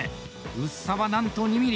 薄さは、なんと２ｍｍ。